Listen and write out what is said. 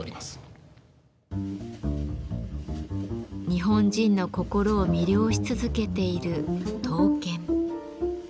日本人の心を魅了し続けている刀剣。